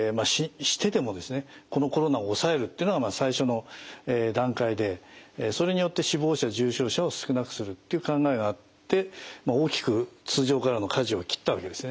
このコロナを抑えるってのがまあ最初の段階でそれによって死亡者・重症者を少なくするっていう考えがあって大きく通常からのかじを切ったわけですね。